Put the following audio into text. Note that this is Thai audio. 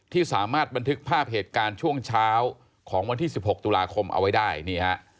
ที่สามารถบันทึกภาพเหตุการณ์ช่วงเช้าของวันที่๑๖ตุลาคมเอาไว้ได้นี่ฮะ